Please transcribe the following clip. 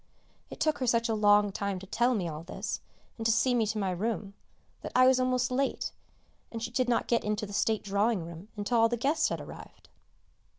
It took her such a long time to tell me all this, and to see me to my room, that I was almost late, and she did not get into the state drawing room until all the guests had arrived.